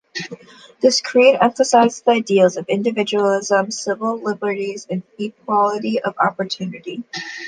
This creed emphasizes the ideals of individualism, civil liberties, and equality of opportunity.